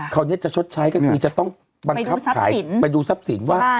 คราวนี้จะชดใช้ก็คือจะต้องบังคับขายไปดูทรัพย์สินว่า